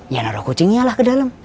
ya naruh kucingnya lah ke dalam